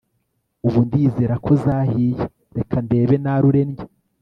ubu ndizera ko zahiye reka ndebe narure ndye